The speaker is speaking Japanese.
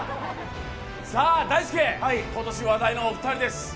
大輔、今年は話題のお二人です。